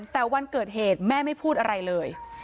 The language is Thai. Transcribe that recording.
แต่วันเกิดเหตุแม่ไม่พูดอะไรเลย